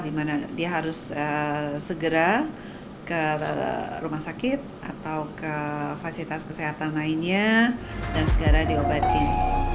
dimana dia harus segera ke rumah sakit atau ke fasilitas kesehatan lainnya dan segera diobatin